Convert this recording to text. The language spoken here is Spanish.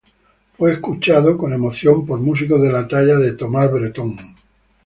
Fue escuchada con emoción por músicos de la talla de Tomás Bretón.